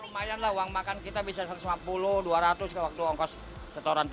lumayan lah uang makan kita bisa satu ratus lima puluh dua ratus ke waktu ongkos setoran tiga puluh